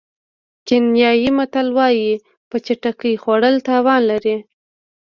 کینیايي متل وایي په چټکۍ خوړل تاوان لري.